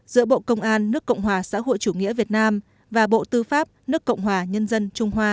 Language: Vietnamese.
giữa bộ công an nước cộng hòa xã hội chủ nghĩa việt nam và bộ tư pháp nước cộng hòa nhân dân trung hoa